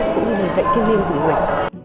cũng như lời dạy kinh nghiệm của nguyễn